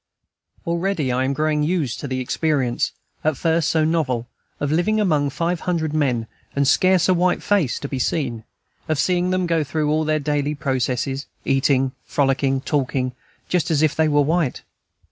Already I am growing used to the experience, at first so novel, of living among five hundred men, and scarce a white face to be seen, of seeing them go through all their daily processes, eating, frolicking, talking, just as if they were white.